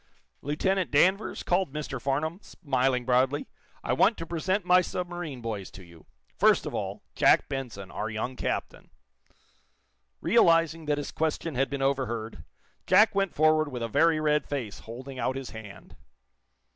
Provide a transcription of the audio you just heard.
"Lieutenant Danvers," called Mr. Farnum, smiling broadly, "I want to present my submarine boys to you. First of all, Jack Benson, our young captain." Realizing that his question had been overheard, Jack went forward with a very red face, holding out his hand.